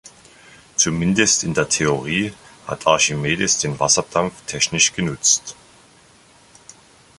Zumindest in der Theorie hat Archimedes den Wasserdampf technisch genutzt.